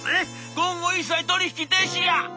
今後一切取引停止や！」。